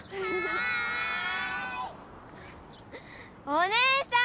お姉さん！